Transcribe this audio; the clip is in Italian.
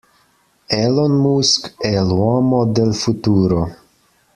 Elon Musk è l'uomo del futuro.